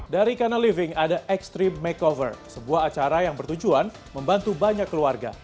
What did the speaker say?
dari kanal living ada extreme makeover sebuah acara yang bertujuan membantu banyak keluarga